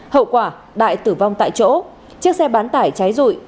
hậu quả đại tử vong tại chỗ chiếc xe bán tải cháy rụi